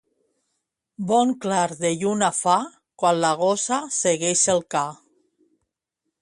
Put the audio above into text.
Bon clar de lluna fa, quan la gossa segueix el ca.